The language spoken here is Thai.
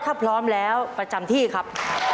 ถ้าพร้อมแล้วประจำที่ครับ